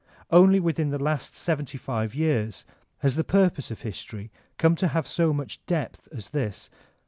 Only within the last seventy five years has the purpose of history come to have so much depth as this.